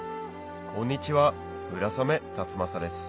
こんにちは村雨辰剛です